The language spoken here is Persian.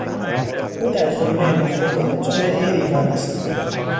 او در زمرهی نخبگان جامعهی ایران است.